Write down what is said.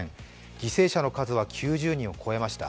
犠牲者の数は９０人を超えました。